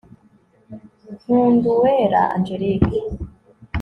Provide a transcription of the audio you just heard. nkunduwera angélique